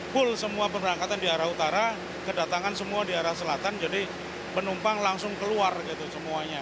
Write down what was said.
full semua pemberangkatan di arah utara kedatangan semua di arah selatan jadi penumpang langsung keluar gitu semuanya